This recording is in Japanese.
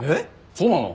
そうなの？